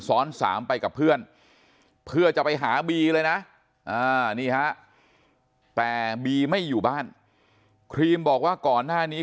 ซ้อนสามไปกับเพื่อนเพื่อจะไปหาบีเลยนะนี่ฮะแต่บีไม่อยู่บ้านครีมบอกว่าก่อนหน้านี้